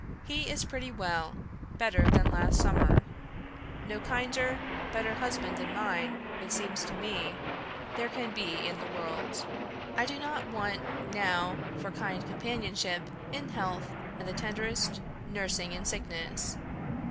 He is pretty well, better than last summer. No kinder, better husband than mine, it seems to me, there can be in the world. I do not want now for kind companionship in health and the tenderest nursing in sickness.